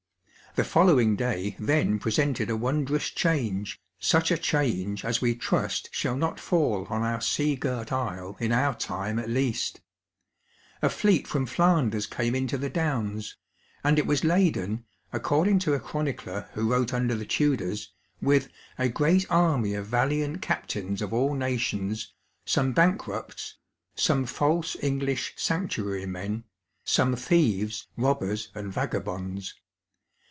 The following day then pre a wondrous change, such a change as we trust shall not i our 8ca*girt isle in our time at least* A fleet from Flan ders came into the Downs, and it was ladeui according to a chronicler who wrote under the Tudors, with *' a great army of valiant captains of all nations, some bankrupts, some false Eoglbh sanctuary men, some thieves, robbers, and vagabonds."